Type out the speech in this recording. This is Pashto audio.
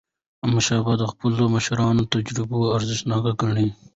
احمدشاه بابا د خپلو مشرانو تجربې ارزښتناکې ګڼلې.